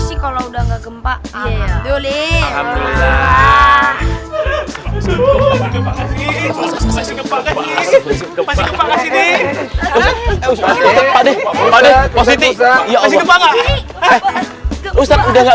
sih kalau udah nggak adam